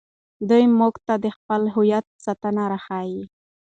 دی موږ ته د خپل هویت ساتنه راښيي.